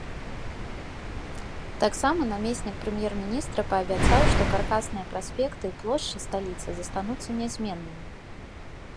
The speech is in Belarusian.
Таксама намеснік прэм'ер-міністра паабяцаў, што каркасныя праспекты і плошчы сталіцы застануцца нязменнымі.